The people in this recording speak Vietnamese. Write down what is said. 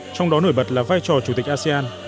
trong đó nổi bật là vai trò chủ tịch asean